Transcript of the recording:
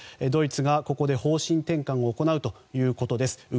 ドイツがここで方針転換を行うということです。